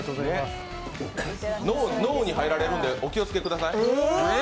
脳に入られるんで、お気をつけください。